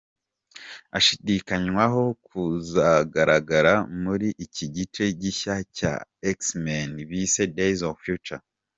ashidikanywaho kuzagaragara muri iki gice gishya cya X-Men bise Days Of Future.